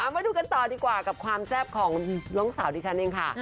มาดูกันต่อดีกว่ากับความแซ่บของน้องสาวดิฉันเองค่ะ